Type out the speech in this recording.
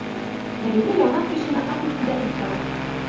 Мәйеле яман кешене ат өҫтөндә эт талар.